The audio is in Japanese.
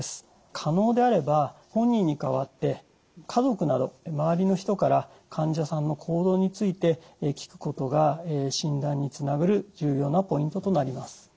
可能であれば本人に代わって家族など周りの人から患者さんの行動について聞くことが診断につながる重要なポイントとなります。